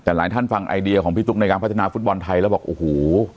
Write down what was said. แต่หลายท่านฟังไอเดียของพี่ตุ๊กในการพัฒนาฟุตบอลไทยแล้วบอกโอ้โห